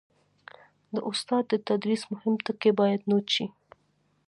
د استاد د تدریس مهم ټکي باید نوټ شي.